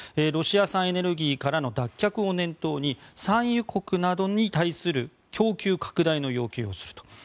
ロシア産エネルギーからの脱却を念頭に産油国などに対する供給拡大の要求をすると。